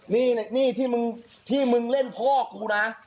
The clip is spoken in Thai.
นี่ที่มึงเล่นพ่อกูนะ